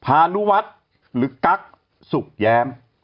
พานุวัฒน์หรือกั๊กสุขแย้ม